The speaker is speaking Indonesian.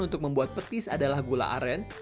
untuk membuat petis adalah gula aren